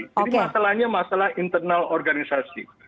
jadi masalahnya masalah internal organisasi